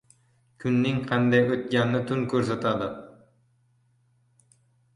• Kunning qanday o‘tganini tun ko‘rsatadi.